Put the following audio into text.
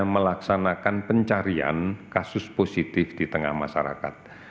melaksanakan pencarian kasus positif di tengah masyarakat